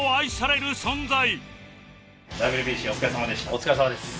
お疲れさまです。